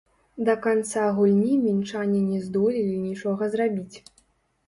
Да канца гульні мінчане не здолелі нічога зрабіць.